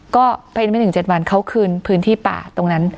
ก็ภายในไม่ถึง๗วันเขาคืนพื้นที่ป่าตรงนั้น